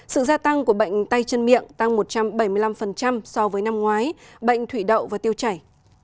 sự gia tăng của bệnh tay chân miệng tăng một trăm bảy mươi năm so với năm ngoái bệnh thủy đậu và tiêu chảy